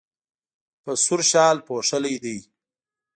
په سور شال پوښلی دی.